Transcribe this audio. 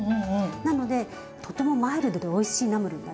なのでとてもマイルドでおいしいナムルになるんです。